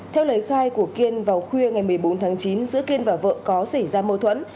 theo lời khai của kiên vào khuya ngày một mươi bốn tháng chín giữa kiên và vợ có xảy ra mâu thuẫn